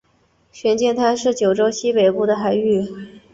玄界滩是九州西北部的海域。